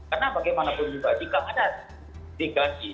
karena bagaimanapun juga jika ada dikasih